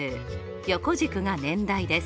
横軸が年代です。